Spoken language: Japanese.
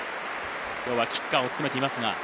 きょうはキッカーを務めています。